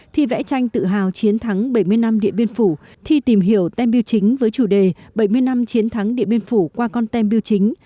thi vẽ tranh tự hào chiến thắng bảy mươi năm địa biên phủ thi tìm hiểu tem biêu chính với chủ đề bảy mươi năm chiến thắng điện biên phủ qua con tem biêu chính